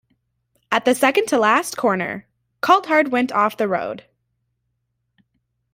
At the second to last corner Coulthard went off the road.